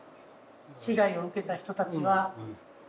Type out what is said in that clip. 被害を受けた人たちは。